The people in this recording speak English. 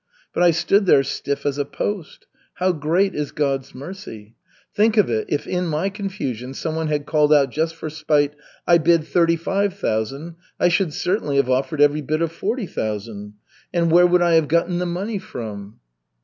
But I stood there stiff as a post. How great is God's mercy! Think of it, if in my confusion someone had called out just for spite, 'I bid thirty five thousand,' I should certainly have offered every bit of forty thousand. And where would I have gotten the money from?"